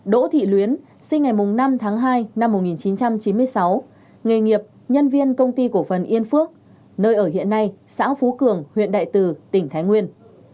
năm đỗ thị luyến sinh ngày năm tháng hai năm một nghìn chín trăm chín mươi sáu nghề nghiệp nhân viên công ty cổ phần yên phước nơi ở hiện nay xã phú cường huyện đại từ tỉnh thái nguyên